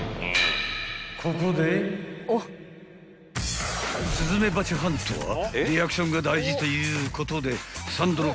［スズメバチハントはリアクションが大事ということで］